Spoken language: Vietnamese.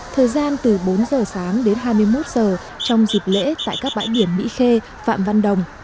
thời gian từ bốn giờ sáng đến hai mươi một giờ trong dịp lễ tại các bãi biển mỹ khê phạm văn đồng